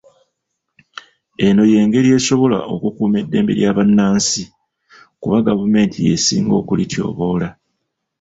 Eno y'engeri esobola okukuuma eddembe lya bannansi kuba gavumenti y'ensinga okulityoboola.